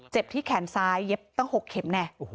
ที่แขนซ้ายเย็บตั้ง๖เข็มแน่